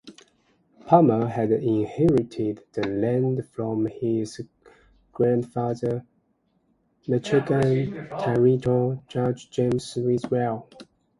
Palmer had inherited the land from his grandfather Michigan Territorial Judge James Witherell.